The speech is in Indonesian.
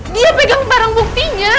dia pegang barang buktinya